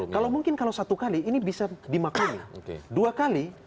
kalau mungkin satu kali ini bisa dimaklumi